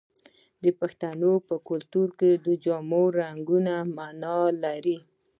د پښتنو په کلتور کې د جامو رنګونه مانا لري.